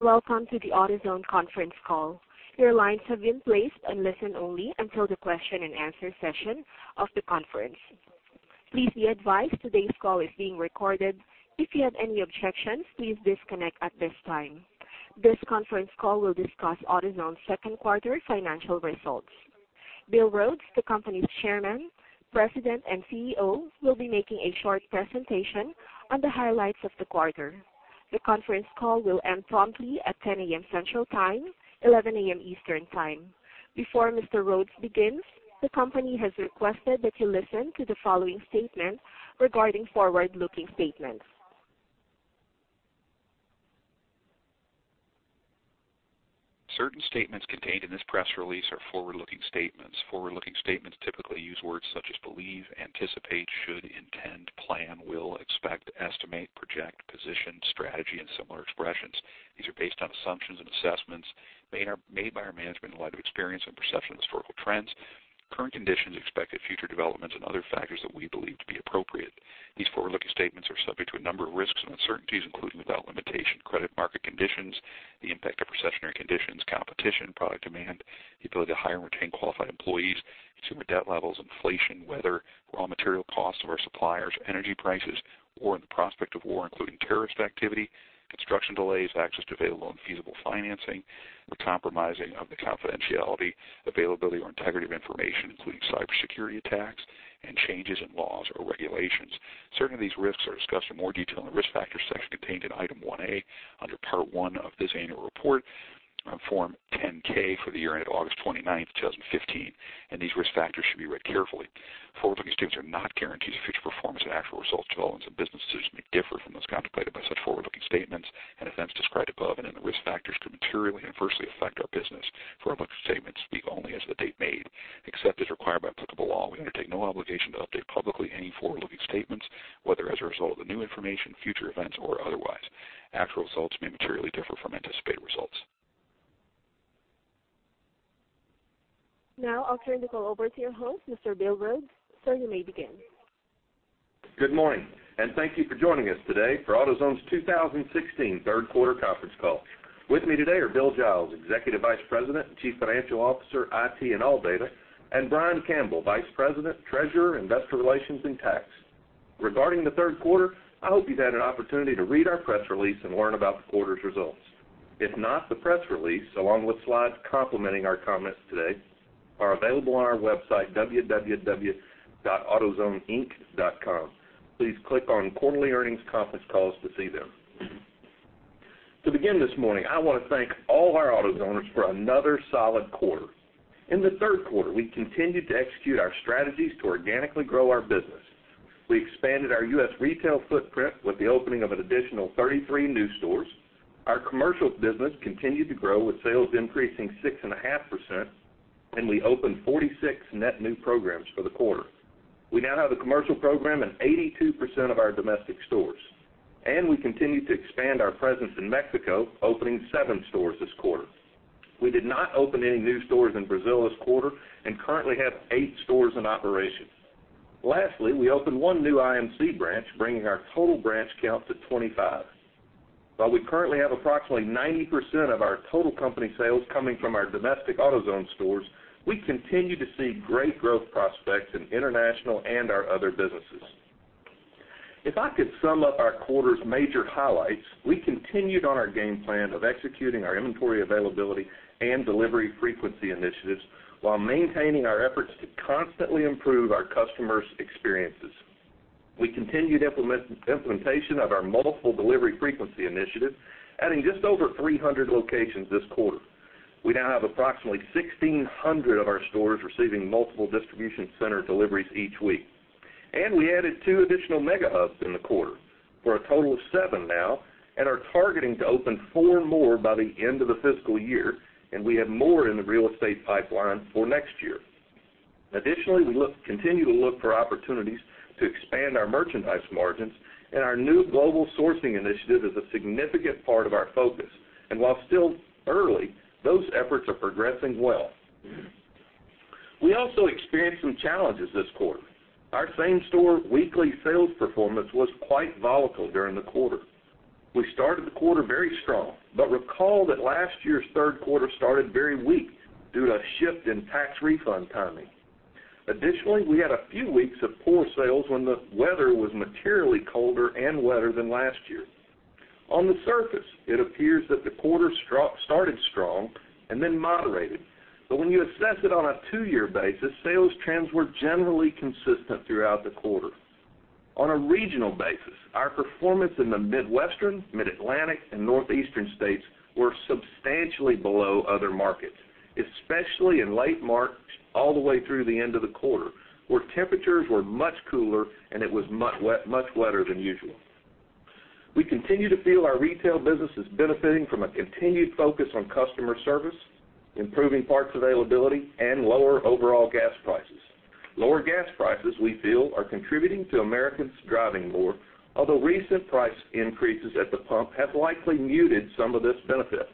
Welcome to the AutoZone conference call. Your lines have been placed on listen only until the question and answer session of the conference. Please be advised today's call is being recorded. If you have any objections, please disconnect at this time. This conference call will discuss AutoZone's second quarter financial results. Bill Rhodes, the company's Chairman, President, and CEO, will be making a short presentation on the highlights of the quarter. The conference call will end promptly at 10:00 A.M. Central Time, 11:00 A.M. Eastern Time. Before Mr. Rhodes begins, the company has requested that you listen to the following statement regarding forward-looking statements. Certain statements contained in this press release are forward-looking statements. Forward-looking statements typically use words such as believe, anticipate, should, intend, plan, will, expect, estimate, project, position, strategy, and similar expressions. These are based on assumptions and assessments made by our management in light of experience and perception of historical trends, current conditions, expected future developments, and other factors that we believe to be appropriate. These forward-looking statements are subject to a number of risks and uncertainties, including, without limitation, credit market conditions, the impact of recessionary conditions, competition, product demand, the ability to hire and retain qualified employees, consumer debt levels, inflation, weather, raw material costs of our suppliers, energy prices, or in the prospect of war, including terrorist activity, construction delays, access to available and feasible financing, the compromising of the confidentiality, availability, or integrity of information, including cybersecurity attacks and changes in laws or regulations. Certain of these risks are discussed in more detail in the Risk Factors section contained in Item One A under Part One of this annual report on Form 10-K for the year ended August 29th, 2015. These risk factors should be read carefully. Forward-looking statements are not guarantees of future performance, and actual results can differ from those contemplated by such forward-looking statements and events described above and in the risk factors could materially and adversely affect our business. Forward-looking statements speak only as of the date made. Except as required by applicable law, we undertake no obligation to update publicly any forward-looking statements, whether as a result of new information, future events, or otherwise. Actual results may materially differ from anticipated results. I'll turn the call over to your host, Mr. Bill Rhodes. Sir, you may begin. Good morning, thank you for joining us today for AutoZone's 2016 third quarter conference call. With me today are Bill Giles, Executive Vice President and Chief Financial Officer, IT, and ALLDATA, and Brian Campbell, Vice President, Treasurer, Investor Relations, and Tax. Regarding the third quarter, I hope you've had an opportunity to read our press release and learn about the quarter's results. If not, the press release, along with slides complementing our comments today, are available on our website, autozoneinc.com. Please click on Quarterly Earnings Conference Calls to see them. To begin this morning, I want to thank all our AutoZoners for another solid quarter. In the third quarter, we continued to execute our strategies to organically grow our business. We expanded our U.S. retail footprint with the opening of an additional 33 new stores. Our commercial business continued to grow, with sales increasing 6.5%. We opened 46 net new programs for the quarter. We now have the commercial program in 82% of our domestic stores. We continue to expand our presence in Mexico, opening seven stores this quarter. We did not open any new stores in Brazil this quarter and currently have eight stores in operation. Lastly, we opened one new IMC branch, bringing our total branch count to 25. While we currently have approximately 90% of our total company sales coming from our domestic AutoZone stores, we continue to see great growth prospects in international and our other businesses. If I could sum up our quarter's major highlights, we continued on our game plan of executing our inventory availability and delivery frequency initiatives while maintaining our efforts to constantly improve our customers' experiences. We continued implementation of our multiple delivery frequency initiative, adding just over 300 locations this quarter. We now have approximately 1,600 of our stores receiving multiple distribution center deliveries each week. We added two additional Mega Hubs in the quarter for a total of seven now, are targeting to open four more by the end of the fiscal year. We have more in the real estate pipeline for next year. Additionally, we continue to look for opportunities to expand our merchandise margins. Our new global sourcing initiative is a significant part of our focus. While still early, those efforts are progressing well. We also experienced some challenges this quarter. Our same-store weekly sales performance was quite volatile during the quarter. We started the quarter very strong. Recall that last year's third quarter started very weak due to a shift in tax refund timing. Additionally, we had a few weeks of poor sales when the weather was materially colder and wetter than last year. On the surface, it appears that the quarter started strong and then moderated. When you assess it on a two-year basis, sales trends were generally consistent throughout the quarter. On a regional basis, our performance in the Midwestern, Mid-Atlantic, and Northeastern states were substantially below other markets, especially in late March all the way through the end of the quarter, where temperatures were much cooler, and it was much wetter than usual. We continue to feel our retail business is benefiting from a continued focus on customer service, improving parts availability, and lower overall gas prices. Lower gas prices, we feel, are contributing to Americans driving more, although recent price increases at the pump have likely muted some of this benefit.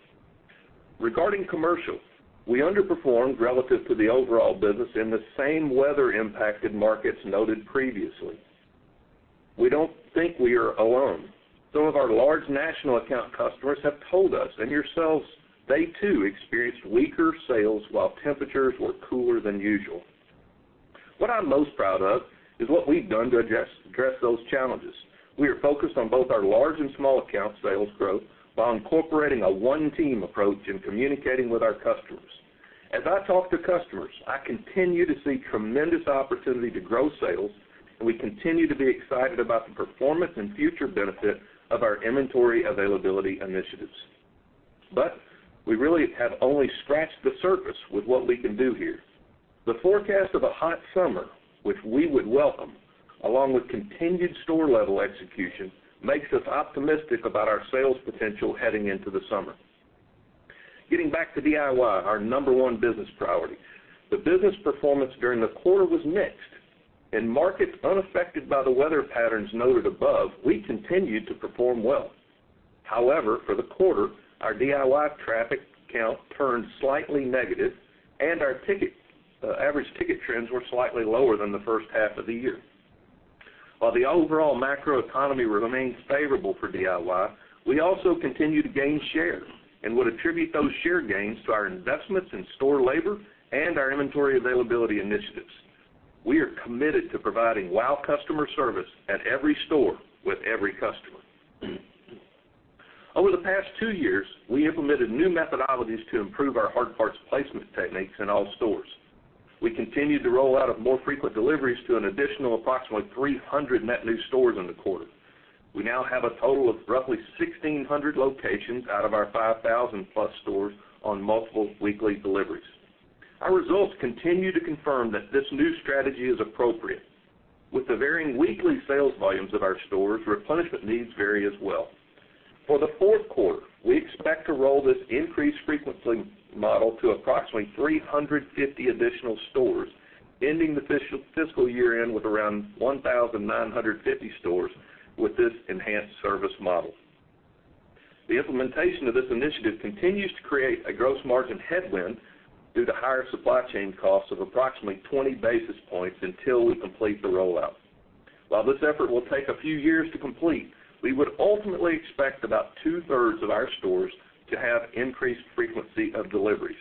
Regarding commercial, we underperformed relative to the overall business in the same weather-impacted markets noted previously. We don't think we are alone. Some of our large national account customers have told us themselves, they too experienced weaker sales while temperatures were cooler than usual. What I'm most proud of is what we've done to address those challenges. We are focused on both our large and small account sales growth while incorporating a one-team approach in communicating with our customers. As I talk to customers, I continue to see tremendous opportunity to grow sales, and we continue to be excited about the performance and future benefit of our inventory availability initiatives. We really have only scratched the surface with what we can do here. The forecast of a hot summer, which we would welcome, along with continued store-level execution, makes us optimistic about our sales potential heading into the summer. Getting back to DIY, our number one business priority. The business performance during the quarter was mixed. However, for the quarter, our DIY traffic count turned slightly negative and our average ticket trends were slightly lower than the first half of the year. While the overall macroeconomy remains favorable for DIY, we also continue to gain share and would attribute those share gains to our investments in store labor and our inventory availability initiatives. We are committed to providing wow customer service at every store with every customer. Over the past two years, we implemented new methodologies to improve our hard parts placement techniques in all stores. We continued the rollout of more frequent deliveries to an additional approximately 300 net new stores in the quarter. We now have a total of roughly 1,600 locations out of our 5,000 plus stores on multiple weekly deliveries. Our results continue to confirm that this new strategy is appropriate. With the varying weekly sales volumes of our stores, replenishment needs vary as well. For the fourth quarter, we expect to roll this increased frequency model to approximately 350 additional stores, ending the fiscal year-end with around 1,950 stores with this enhanced service model. The implementation of this initiative continues to create a gross margin headwind due to higher supply chain costs of approximately 20 basis points until we complete the rollout. While this effort will take a few years to complete, we would ultimately expect about two-thirds of our stores to have increased frequency of deliveries.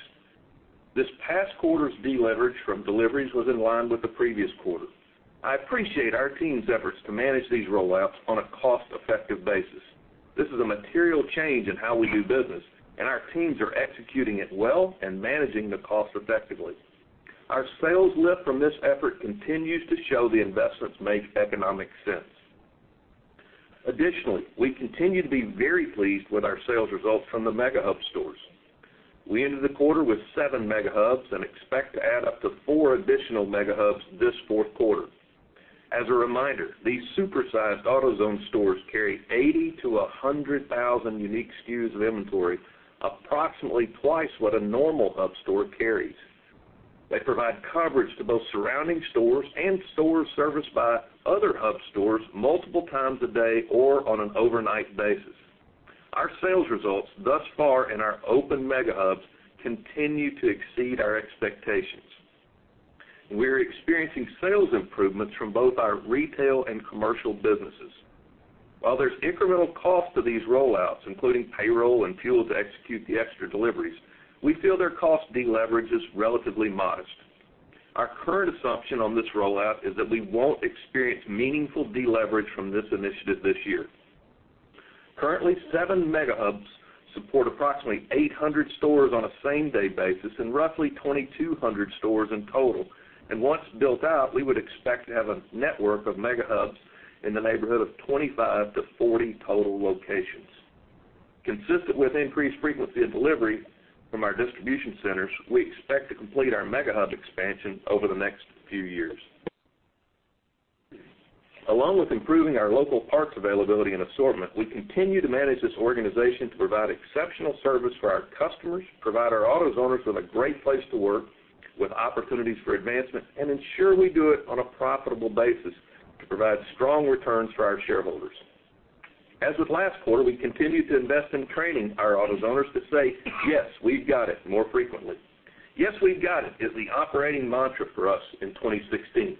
This past quarter's deleverage from deliveries was in line with the previous quarter. I appreciate our team's efforts to manage these rollouts on a cost-effective basis. This is a material change in how we do business, and our teams are executing it well and managing the cost effectively. Our sales lift from this effort continues to show the investments make economic sense. Additionally, we continue to be very pleased with our sales results from the Mega Hub stores. We ended the quarter with seven Mega Hubs and expect to add up to four additional Mega Hubs this fourth quarter. As a reminder, these super-sized AutoZone stores carry 80,000 to 100,000 unique SKUs of inventory, approximately twice what a normal Hub store carries. They provide coverage to both surrounding stores and stores serviced by other Hub stores multiple times a day or on an overnight basis. Our sales results thus far in our open Mega Hubs continue to exceed our expectations. We're experiencing sales improvements from both our retail and commercial businesses. While there's incremental cost to these rollouts, including payroll and fuel to execute the extra deliveries, we feel their cost deleverage is relatively modest. Our current assumption on this rollout is that we won't experience meaningful deleverage from this initiative this year. Currently, seven Mega Hubs support approximately 800 stores on a same-day basis and roughly 2,200 stores in total. Once built out, we would expect to have a network of Mega Hubs in the neighborhood of 25 to 40 total locations. Consistent with increased frequency of delivery from our distribution centers, we expect to complete our Mega Hub expansion over the next few years. Along with improving our local parts availability and assortment, we continue to manage this organization to provide exceptional service for our customers, provide our AutoZoners with a great place to work with opportunities for advancement, and ensure we do it on a profitable basis to provide strong returns for our shareholders. As with last quarter, we continue to invest in training our AutoZoners to say, "Yes, we've got it," more frequently. Yes, we've got it is the operating mantra for us in 2016.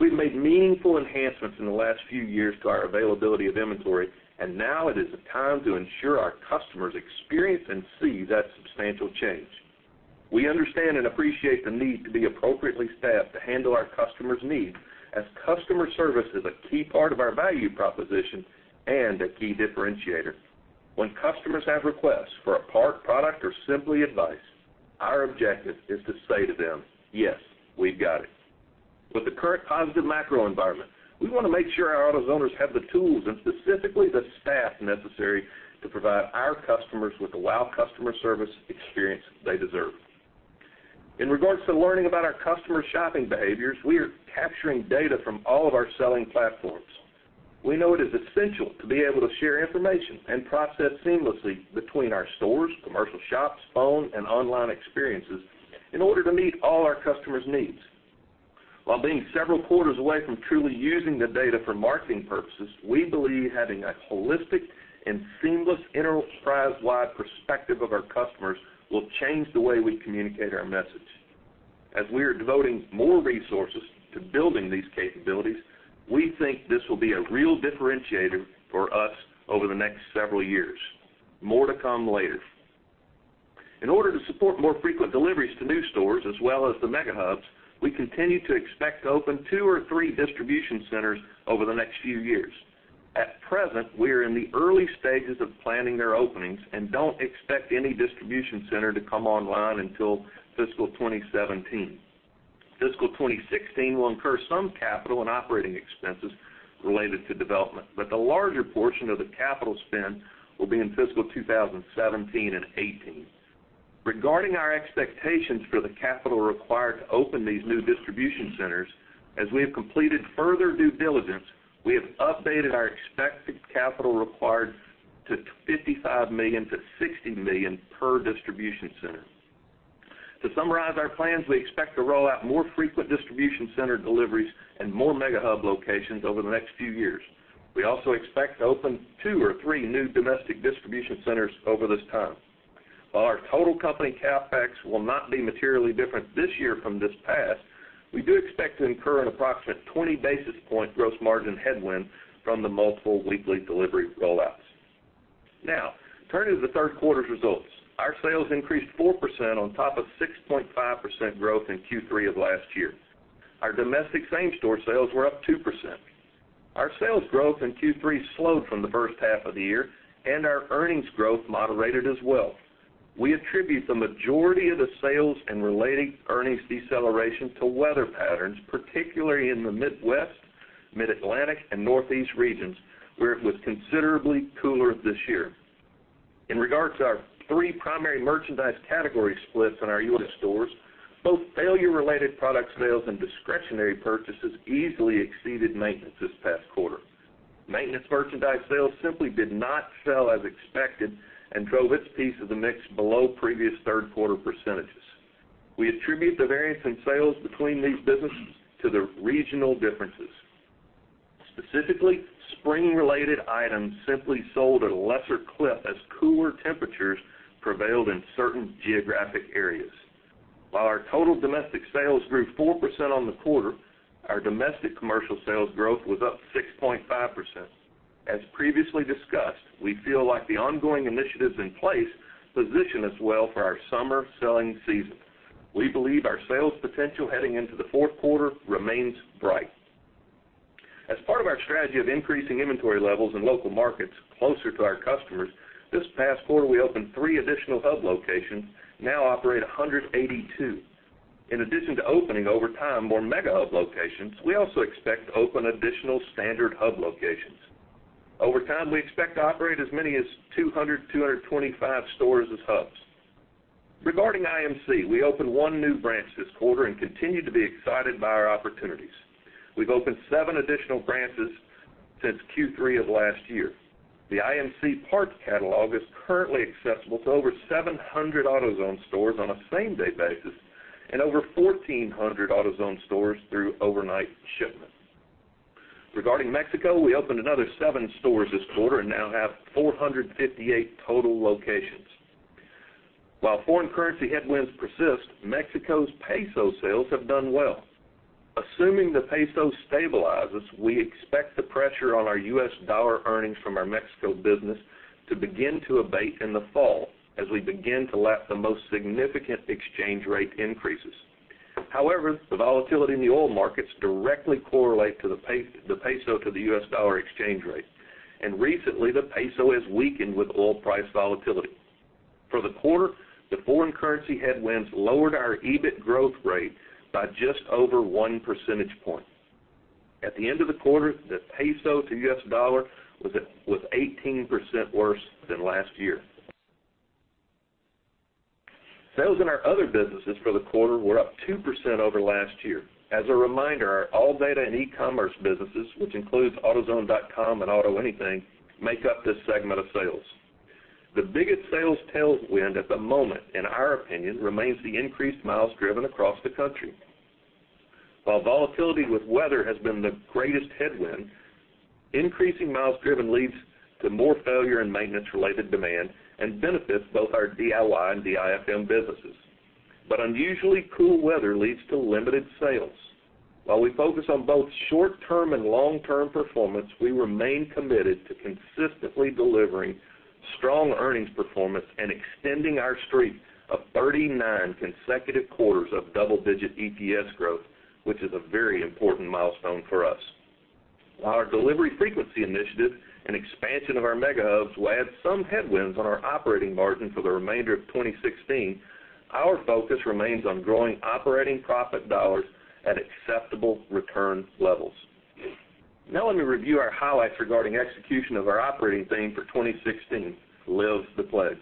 We've made meaningful enhancements in the last few years to our availability of inventory. Now it is the time to ensure our customers experience and see that substantial change. We understand and appreciate the need to be appropriately staffed to handle our customers' needs as customer service is a key part of our value proposition and a key differentiator. When customers have requests for a part, product, or simply advice, our objective is to say to them, "Yes, we've got it." With the current positive macro environment, we want to make sure our AutoZoners have the tools and specifically the staff necessary to provide our customers with the wow customer service experience they deserve. In regards to learning about our customers' shopping behaviors, we are capturing data from all of our selling platforms. We know it is essential to be able to share information and process seamlessly between our stores, commercial shops, phone, and online experiences in order to meet all our customers' needs. While being several quarters away from truly using the data for marketing purposes, we believe having a holistic and seamless enterprise-wide perspective of our customers will change the way we communicate our message. We are devoting more resources to building these capabilities, we think this will be a real differentiator for us over the next several years. More to come later. In order to support more frequent deliveries to new stores as well as the Mega Hubs, we continue to expect to open two or three distribution centers over the next few years. At present, we are in the early stages of planning their openings and don't expect any distribution center to come online until fiscal 2017. Fiscal 2016 will incur some capital and operating expenses related to development, but the larger portion of the capital spend will be in fiscal 2017 and 2018. Regarding our expectations for the capital required to open these new distribution centers, as we have completed further due diligence, we have updated our expected capital required to $55 million-$60 million per distribution center. To summarize our plans, we expect to roll out more frequent distribution center deliveries and more Mega Hub locations over the next few years. We also expect to open two or three new domestic distribution centers over this time. While our total company CapEx will not be materially different this year from this past, we do expect to incur an approximate 20 basis point gross margin headwind from the multiple weekly delivery rollouts. Now, turning to the third quarter's results. Our sales increased 4% on top of 6.5% growth in Q3 of last year. Our domestic same-store sales were up 2%. Our sales growth in Q3 slowed from the first half of the year, and our earnings growth moderated as well. We attribute the majority of the sales and related earnings deceleration to weather patterns, particularly in the Midwest, Mid-Atlantic, and Northeast regions, where it was considerably cooler this year. In regards to our three primary merchandise category splits in our unit stores, both failure-related product sales and discretionary purchases easily exceeded maintenance this past quarter. Maintenance merchandise sales simply did not sell as expected and drove its piece of the mix below previous third-quarter percentages. We attribute the variance in sales between these businesses to the regional differences. Specifically, spring-related items simply sold at a lesser clip as cooler temperatures prevailed in certain geographic areas. While our total domestic sales grew 4% on the quarter, our domestic commercial sales growth was up 6.5%. As previously discussed, we feel like the ongoing initiatives in place position us well for our summer selling season. We believe our sales potential heading into the fourth quarter remains bright. As part of our strategy of increasing inventory levels in local markets closer to our customers, this past quarter, we opened three additional hub locations, now operate 182. In addition to opening over time more Mega Hub locations, we also expect to open additional standard hub locations. Over time, we expect to operate as many as 200, 225 stores as hubs. Regarding IMC, we opened one new branch this quarter and continue to be excited by our opportunities. We've opened seven additional branches since Q3 of last year. The IMC parts catalog is currently accessible to over 700 AutoZone stores on a same-day basis and over 1,400 AutoZone stores through overnight shipment. Regarding Mexico, we opened another seven stores this quarter and now have 458 total locations. While foreign currency headwinds persist, Mexico's peso sales have done well. Assuming the peso stabilizes, we expect the pressure on our US dollar earnings from our Mexico business to begin to abate in the fall as we begin to lap the most significant exchange rate increases. However, the volatility in the oil markets directly correlate the peso to the US dollar exchange rate. Recently, the peso has weakened with oil price volatility. For the quarter, the foreign currency headwinds lowered our EBIT growth rate by just over one percentage point. At the end of the quarter, the peso to US dollar was 18% worse than last year. Sales in our other businesses for the quarter were up 2% over last year. As a reminder, our ALLDATA and e-commerce businesses, which includes autozone.com and AutoAnything, make up this segment of sales. The biggest sales tailwind at the moment, in our opinion, remains the increased miles driven across the country. While volatility with weather has been the greatest headwind, increasing miles driven leads to more failure in maintenance-related demand and benefits both our DIY and DIFM businesses. Unusually cool weather leads to limited sales. While we focus on both short-term and long-term performance, we remain committed to consistently delivering strong earnings performance and extending our streak of 39 consecutive quarters of double-digit EPS growth, which is a very important milestone for us. While our delivery frequency initiative and expansion of our Mega Hubs will add some headwinds on our operating margin for the remainder of 2016, our focus remains on growing operating profit dollars at acceptable return levels. Now let me review our highlights regarding execution of our operating theme for 2016, Live the Pledge.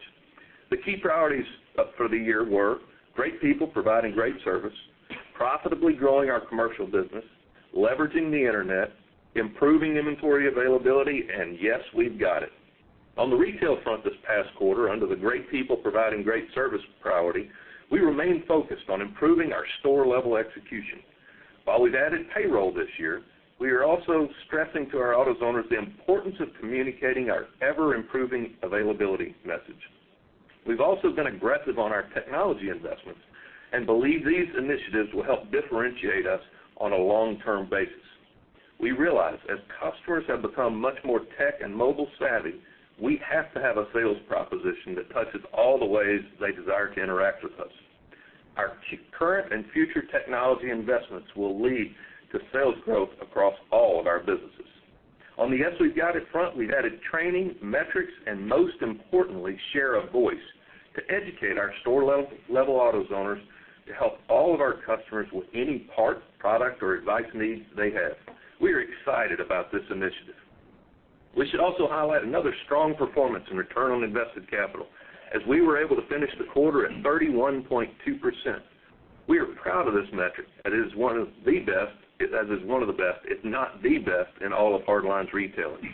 The key priorities up for the year were great people providing great service, profitably growing our commercial business, leveraging the Internet, improving inventory availability, Yes, we've got it. On the retail front this past quarter, under the great people providing great service priority, we remain focused on improving our store-level execution. While we've added payroll this year, we are also stressing to our AutoZoners the importance of communicating our ever-improving availability message. We've also been aggressive on our technology investments and believe these initiatives will help differentiate us on a long-term basis. We realize, as customers have become much more tech and mobile savvy, we have to have a sales proposition that touches all the ways they desire to interact with us. Our current and future technology investments will lead to sales growth across all of our businesses. On the Yes, we've got it front, we've added training, metrics, and most importantly, share of voice to educate our store-level AutoZoners to help all of our customers with any part, product, or advice needs they have. We are excited about this initiative. We should also highlight another strong performance in Return on Invested Capital, as we were able to finish the quarter at 31.2%. We are proud of this metric, as it is one of the best, if not the best, in all of hard lines retailing.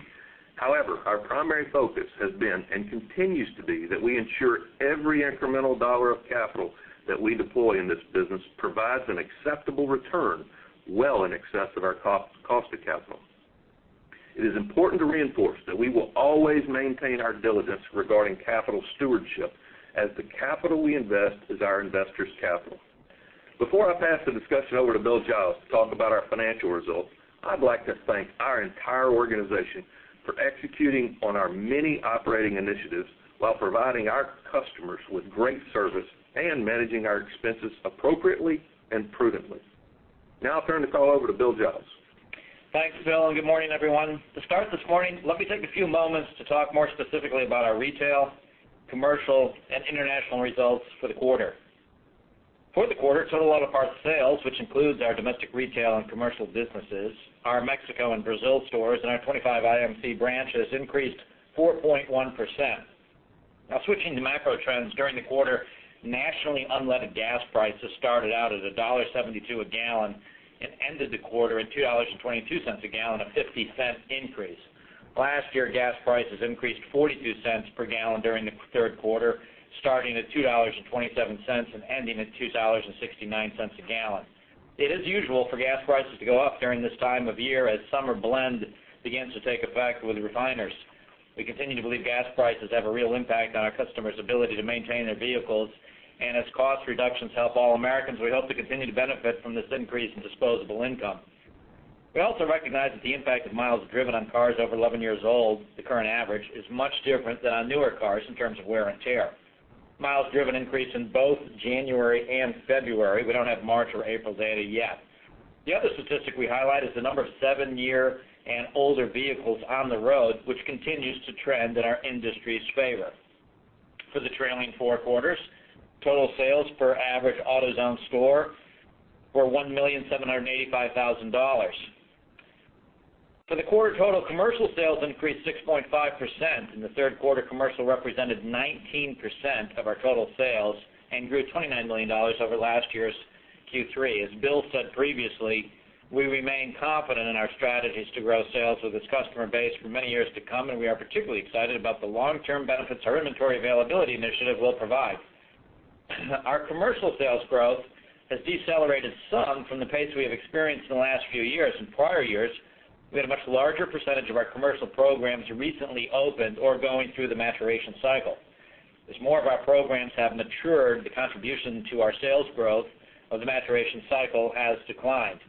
Our primary focus has been, and continues to be, that we ensure every incremental dollar of capital that we deploy in this business provides an acceptable return well in excess of our cost of capital. It is important to reinforce that we will always maintain our diligence regarding capital stewardship, as the capital we invest is our investors' capital. Before I pass the discussion over to Bill Giles to talk about our financial results, I'd like to thank our entire organization for executing on our many operating initiatives while providing our customers with great service and managing our expenses appropriately and prudently. Now I'll turn the call over to Bill Giles. Thanks, Bill, good morning, everyone. To start this morning, let me take a few moments to talk more specifically about our retail, commercial, and international results for the quarter. For the quarter, total auto parts sales, which includes our domestic retail and commercial businesses, our Mexico and Brazil stores, and our 25 IMC branches, increased 4.1%. Switching to macro trends, during the quarter, nationally, unleaded gas prices started out at $1.72 a gallon and ended the quarter at $2.22 a gallon, a $0.50 increase. Last year, gas prices increased $0.42 per gallon during the third quarter, starting at $2.27 and ending at $2.69 a gallon. It is usual for gas prices to go up during this time of year as summer blend begins to take effect with refiners. We continue to believe gas prices have a real impact on our customers' ability to maintain their vehicles. As cost reductions help all Americans, we hope to continue to benefit from this increase in disposable income. We also recognize that the impact of miles driven on cars over 11 years old, the current average, is much different than on newer cars in terms of wear and tear. Miles driven increased in both January and February. We don't have March or April's data yet. The other statistic we highlight is the number of seven-year and older vehicles on the road, which continues to trend in our industry's favor. For the trailing four quarters, total sales per average AutoZone store were $1,785,000. For the quarter, total commercial sales increased 6.5%. The third quarter commercial represented 19% of our total sales and grew $29 million over last year's Q3. As Bill said previously, we remain confident in our strategies to grow sales with this customer base for many years to come. We are particularly excited about the long-term benefits our inventory availability initiative will provide. Our commercial sales growth has decelerated some from the pace we have experienced in the last few years. In prior years, we had a much larger percentage of our commercial programs recently opened or going through the maturation cycle. As more of our programs have matured, the contribution to our sales growth of the maturation cycle has declined.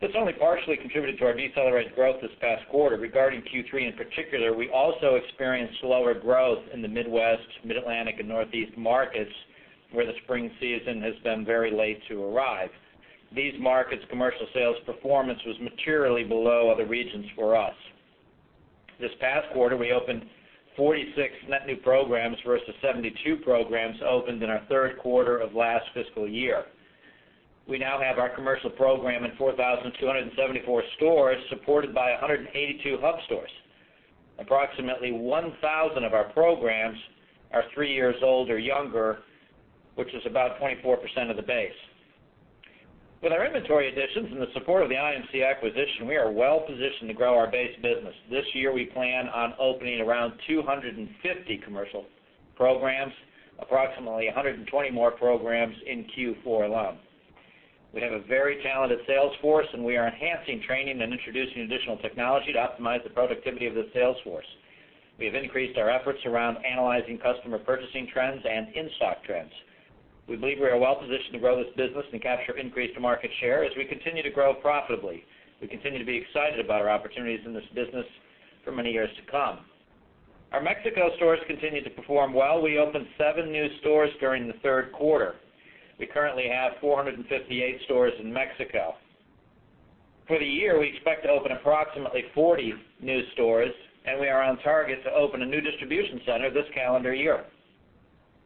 This only partially contributed to our decelerated growth this past quarter. Regarding Q3 in particular, we also experienced slower growth in the Midwest, Mid-Atlantic, and Northeast markets, where the spring season has been very late to arrive. These markets' commercial sales performance was materially below other regions for us. This past quarter, we opened 46 net new programs, versus 72 programs opened in our third quarter of last fiscal year. We now have our commercial program in 4,274 stores, supported by 182 hub stores. Approximately 1,000 of our programs are three years old or younger, which is about 24% of the base. With our inventory additions and the support of the IMC acquisition, we are well positioned to grow our base business. This year, we plan on opening around 250 commercial programs, approximately 120 more programs in Q4 alone. We have a very talented sales force. We are enhancing training and introducing additional technology to optimize the productivity of the sales force. We have increased our efforts around analyzing customer purchasing trends and in-stock trends. We believe we are well positioned to grow this business and capture increased market share as we continue to grow profitably. We continue to be excited about our opportunities in this business for many years to come. Our Mexico stores continue to perform well. We opened seven new stores during the third quarter. We currently have 458 stores in Mexico. For the year, we expect to open approximately 40 new stores, and we are on target to open a new distribution center this calendar year.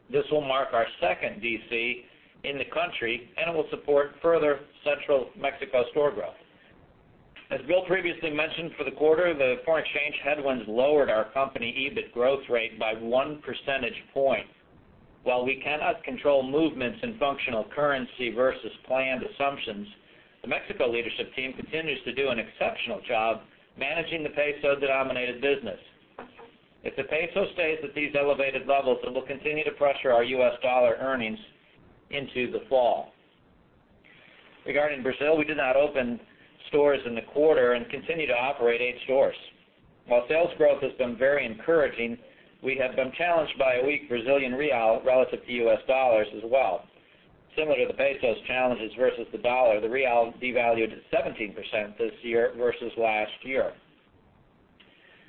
This will mark our second DC in the country, and it will support further Central Mexico store growth. As Bill previously mentioned, for the quarter, the foreign exchange headwinds lowered our company EBIT growth rate by one percentage point. While we cannot control movements in functional currency versus planned assumptions, the Mexico leadership team continues to do an exceptional job managing the peso-denominated business. If the peso stays at these elevated levels, it will continue to pressure our US dollar earnings into the fall. Regarding Brazil, we did not open stores in the quarter and continue to operate eight stores. While sales growth has been very encouraging, we have been challenged by a weak Brazilian real relative to US dollars as well. Similar to the peso's challenges versus the dollar, the real devalued 17% this year versus last year.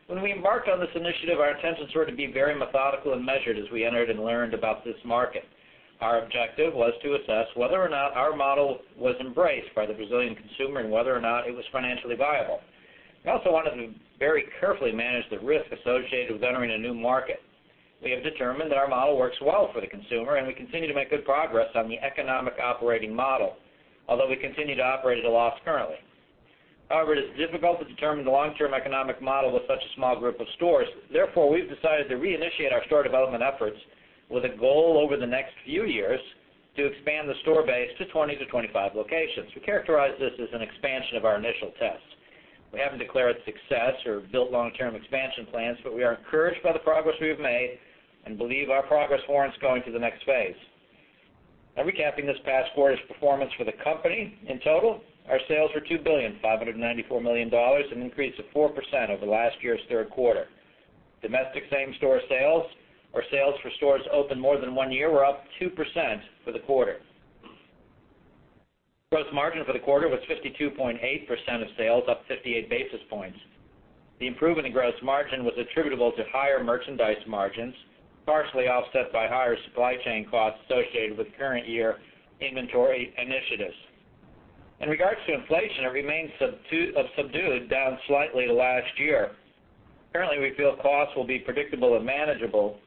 When we embarked on this initiative, our intentions were to be very methodical and measured as we entered and learned about this market. Our objective was to assess whether or not our model was embraced by the Brazilian consumer and whether or not it was financially viable. We also wanted to very carefully manage the risk associated with entering a new market. We have determined that our model works well for the consumer, and we continue to make good progress on the economic operating model, although we continue to operate at a loss currently. It is difficult to determine the long-term economic model with such a small group of stores. We've decided to reinitiate our store development efforts with a goal over the next few years to expand the store base to 20-25 locations. We characterize this as an expansion of our initial test. We haven't declared success or built long-term expansion plans, but we are encouraged by the progress we have made and believe our progress warrants going to the next phase. Recapping this past quarter's performance for the company. In total, our sales were $2,594,000,000, an increase of 4% over last year's third quarter. Domestic same-store sales, or sales for stores open more than one year, were up 2% for the quarter. Gross margin for the quarter was 52.8% of sales, up 58 basis points. The improvement in gross margin was attributable to higher merchandise margins, partially offset by higher supply chain costs associated with current year inventory initiatives. In regards to inflation, it remains subdued, down slightly to last year. Currently, we feel costs will be predictable and manageable.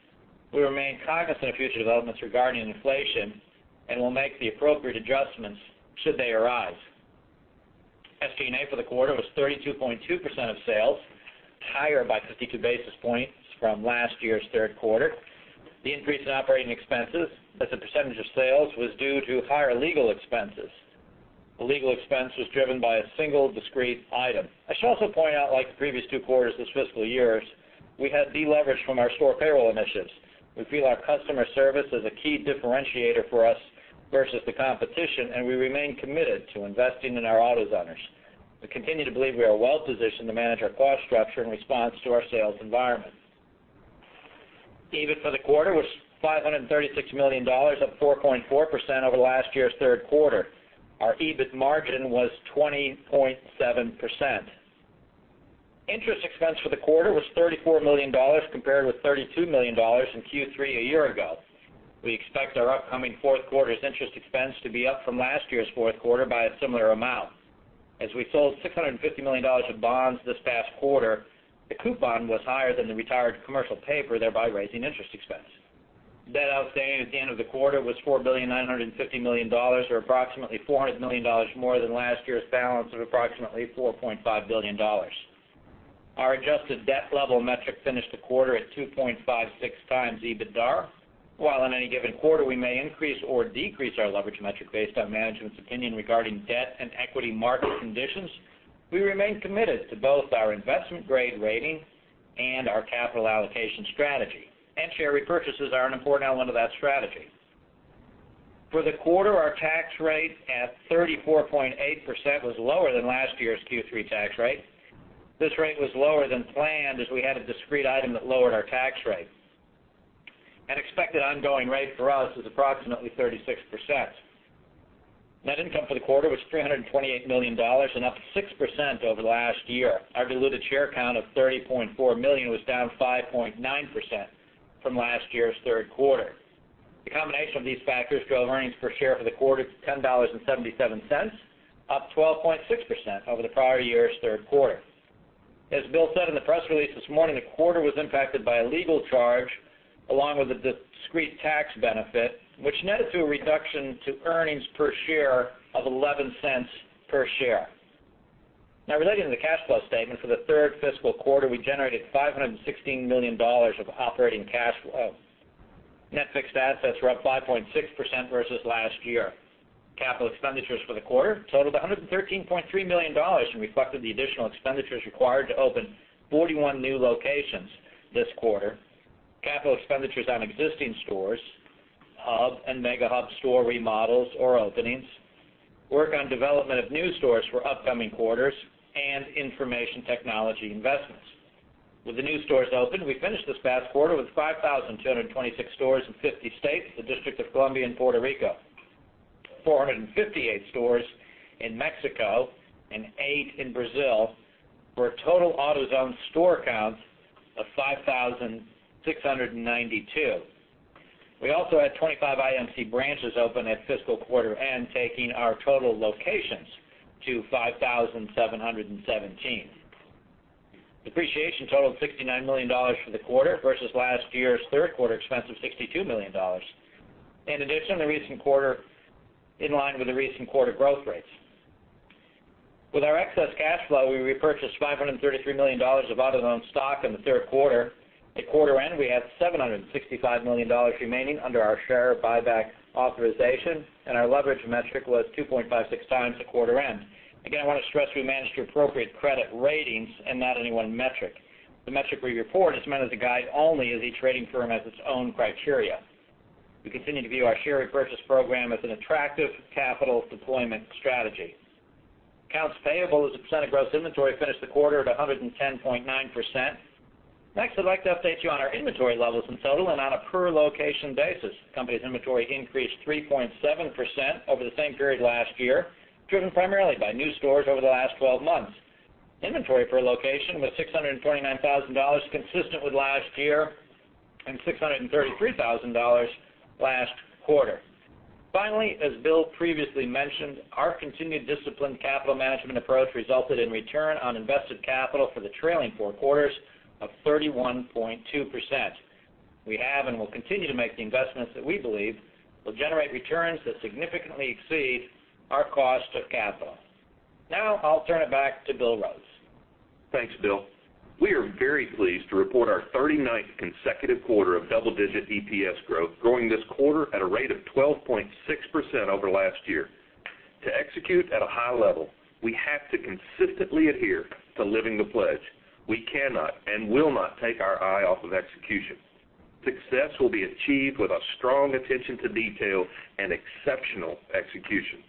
We remain cognizant of future developments regarding inflation and will make the appropriate adjustments should they arise. SG&A for the quarter was 32.2% of sales, higher by 52 basis points from last year's third quarter. The increase in operating expenses as a percentage of sales was due to higher legal expenses. The legal expense was driven by a single discrete item. I should also point out, like the previous two quarters this fiscal year, we have deleveraged from our store payroll initiatives. We feel our customer service is a key differentiator for us versus the competition, and we remain committed to investing in our AutoZoners. We continue to believe we are well positioned to manage our cost structure in response to our sales environment. EBIT for the quarter was $536 million, up 4.4% over last year's third quarter. Our EBIT margin was 20.7%. Interest expense for the quarter was $34 million compared with $32 million in Q3 a year ago. We expect our upcoming fourth quarter's interest expense to be up from last year's fourth quarter by a similar amount. As we sold $650 million of bonds this past quarter, the coupon was higher than the retired commercial paper, thereby raising interest expense. Debt outstanding at the end of the quarter was $4.95 billion, or approximately $400 million more than last year's balance of approximately $4.5 billion. Our adjusted debt level metric finished the quarter at 2.56 times EBITDA. While in any given quarter, we may increase or decrease our leverage metric based on management's opinion regarding debt and equity market conditions, we remain committed to both our investment-grade rating and our capital allocation strategy. Share repurchases are an important element of that strategy. For the quarter, our tax rate at 34.8% was lower than last year's Q3 tax rate. This rate was lower than planned, as we had a discrete item that lowered our tax rate. An expected ongoing rate for us is approximately 36%. Net income for the quarter was $328 million and up 6% over last year. Our diluted share count of 30.4 million was down 5.9% from last year's third quarter. The combination of these factors drove earnings per share for the quarter to $10.77, up 12.6% over the prior year's third quarter. As Bill said in the press release this morning, the quarter was impacted by a legal charge along with a discrete tax benefit, which netted to a reduction to earnings per share of $0.11 per share. Relating to the cash flow statement, for the third fiscal quarter, we generated $516 million of operating cash flow. Net fixed assets were up 5.6% versus last year. Capital expenditures for the quarter totaled $113.3 million and reflected the additional expenditures required to open 41 new locations this quarter. Capital expenditures on existing stores, Hub and Mega Hub store remodels or openings, work on development of new stores for upcoming quarters, and information technology investments. With the new stores open, we finished this past quarter with 5,226 stores in 50 states, the D.C., and Puerto Rico, 458 stores in Mexico and eight in Brazil, for a total AutoZone store count of 5,692. We also had 25 IMC branches open at fiscal quarter end, taking our total locations to 5,717. Depreciation totaled $69 million for the quarter versus last year's third quarter expense of $62 million. With our excess cash flow, we repurchased $533 million of AutoZone stock in the third quarter. At quarter end, we had $765 million remaining under our share buyback authorization, and our leverage metric was 2.56 times at quarter end. I want to stress we manage to appropriate credit ratings and not any one metric. The metric we report is meant as a guide only, as each rating firm has its own criteria. We continue to view our share repurchase program as an attractive capital deployment strategy. Accounts payable as a percent of gross inventory finished the quarter at 110.9%. Next, I'd like to update you on our inventory levels in total and on a per-location basis. Company's inventory increased 3.7% over the same period last year, driven primarily by new stores over the last 12 months. Inventory per location was $629,000, consistent with last year, and $633,000 last quarter. As Bill previously mentioned, our continued disciplined capital management approach resulted in return on invested capital for the trailing four quarters of 31.2%. We have and will continue to make the investments that we believe will generate returns that significantly exceed our cost of capital. I'll turn it back to Bill Rhodes. Thanks, Bill. We are very pleased to report our 39th consecutive quarter of double-digit EPS growth, growing this quarter at a rate of 12.6% over last year. To execute at a high level, we have to consistently adhere to Living the Pledge. We cannot and will not take our eye off of execution. Success will be achieved with a strong attention to detail and exceptional execution.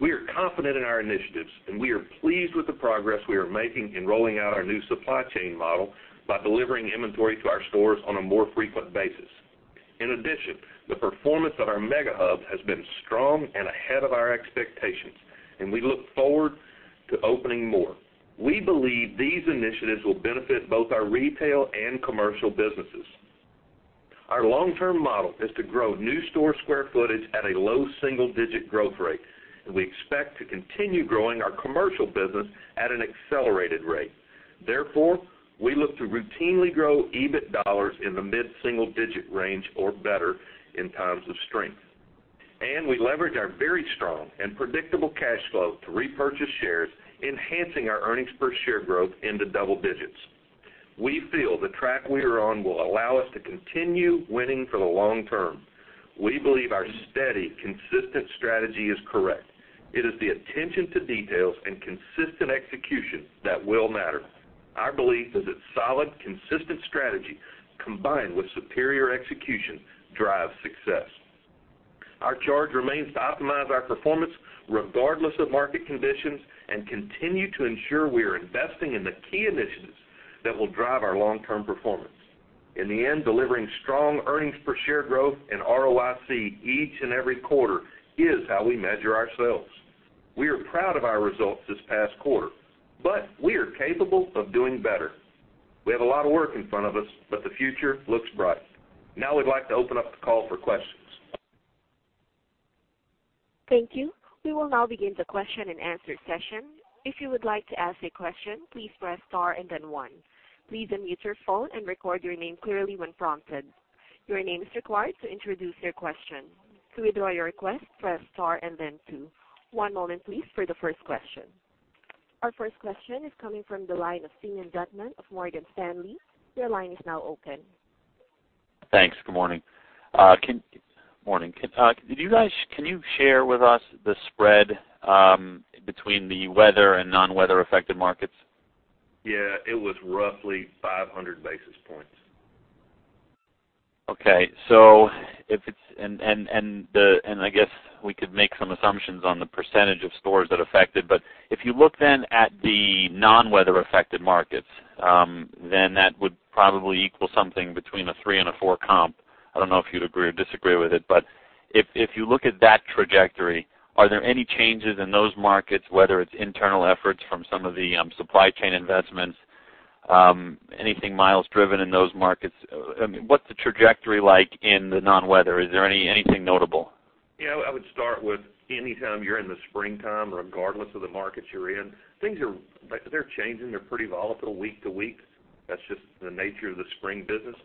We are confident in our initiatives, and we are pleased with the progress we are making in rolling out our new supply chain model by delivering inventory to our stores on a more frequent basis. The performance of our Mega Hub has been strong and ahead of our expectations, and we look forward to opening more. We believe these initiatives will benefit both our retail and commercial businesses. Our long-term model is to grow new store square footage at a low single-digit growth rate, and we expect to continue growing our commercial business at an accelerated rate. We look to routinely grow EBIT dollars in the mid-single digit range or better in times of strength, and we leverage our very strong and predictable cash flow to repurchase shares, enhancing our earnings per share growth into double digits. We feel the track we are on will allow us to continue winning for the long term. We believe our steady, consistent strategy is correct. It is the attention to details and consistent execution that will matter. Our belief is that solid, consistent strategy combined with superior execution drives success. Our charge remains to optimize our performance regardless of market conditions and continue to ensure we are investing in the key initiatives that will drive our long-term performance. In the end, delivering strong earnings per share growth and ROIC each and every quarter is how we measure ourselves. We are proud of our results this past quarter, but we are capable of doing better. We have a lot of work in front of us, but the future looks bright. Now we'd like to open up the call for questions. Thank you. We will now begin the question and answer session. If you would like to ask a question, please press star and then one. Please unmute your phone and record your name clearly when prompted. Your name is required to introduce your question. To withdraw your request, press star and then two. One moment, please, for the first question. Our first question is coming from the line of Simeon Gutman of Morgan Stanley. Your line is now open. Thanks. Good morning. Can you share with us the spread between the weather and non-weather affected markets? Yeah. It was roughly 500 basis points. I guess we could make some assumptions on the percentage of stores that affected, but if you look then at the non-weather affected markets, then that would probably equal something between a three and a four comp. I don't know if you'd agree or disagree with it, but if you look at that trajectory, are there any changes in those markets, whether it's internal efforts from some of the supply chain investments, anything miles driven in those markets? What's the trajectory like in the non-weather? Is there anything notable? Yeah, I would start with anytime you're in the springtime, regardless of the market you're in, things are changing. They're pretty volatile week to week. That's just the nature of the spring business.